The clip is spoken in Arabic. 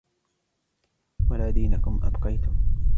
وَلَا دِينَكُمْ أَبْقَيْتُمْ